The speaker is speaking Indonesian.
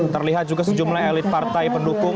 terlihat juga sejumlah elit partai pendukung